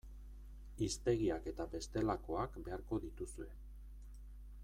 Hiztegiak eta bestelakoak beharko dituzue.